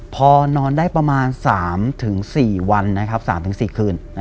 พอนอนได้ประมาณ๓๔วัน๓๔คืน